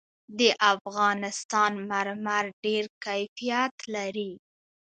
د افغانستان مرمر ډېر کیفیت لري.